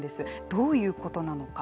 どういうことなのか。